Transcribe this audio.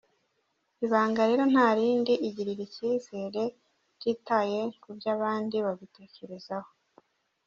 Ibanga rero nta rindi, igirire icyizere utitaye ku byo abandi bagutekerezaho”.